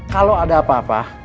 kalau ada apa apa